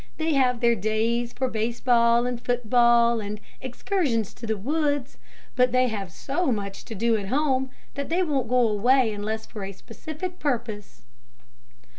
They have their days for base ball, and foot ball, and excursions to the woods, but they have so much to do at home, that they won't go away unless for a specific purpose."